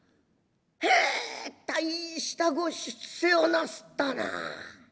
へえ大したご出世をなすったな」。